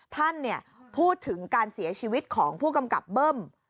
ท่านพูดถึงการเสียชีวิตของผู้กำกับเบิ้ม